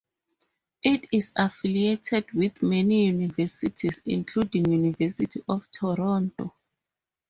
It is affiliated with many universities, including University of Toronto.